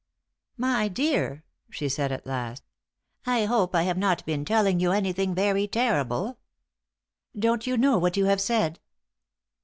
"My dear," she said at last, "I hope I have not been telling you anything very terrible!" "Don't you know what you have said?"